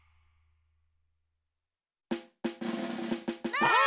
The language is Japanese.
ばあっ！